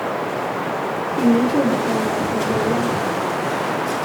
Ingen trodde på honom från början.